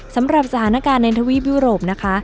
สำหรับสถานการณ์ในทวีปยุโรปนะคะ